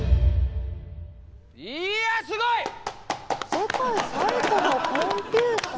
世界最古のコンピューター？